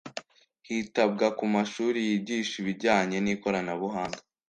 hitabwa ku mashuri yigisha ibijyanye n’ikoranabuhanga